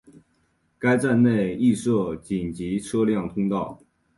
该站内亦设紧急车辆通道。